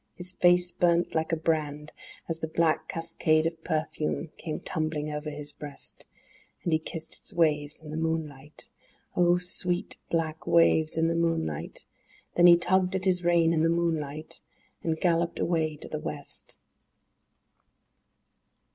His face burnt like a brand As the black cascade of perfume came tumbling over his breast; And he kissed its waves in the moonlight, (Oh, sweet, black waves in the moonlight!) Then he tugged at his rein in the moonliglt, and galloped away to the West.